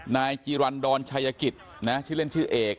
นายจีรันดรชายกิจนะชื่อเล่นชื่อเอก